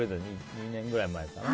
２年くらい前かな。